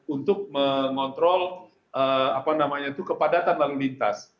untuk mengontrol kepadatan lalu lintas